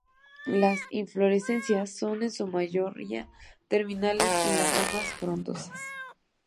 Las inflorescencias, son en su mayoría terminales en las ramas frondosas.